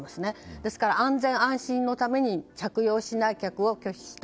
ですから安全・安心のために着用しない客を拒否した。